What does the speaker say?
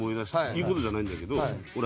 いい事じゃないんだけどほら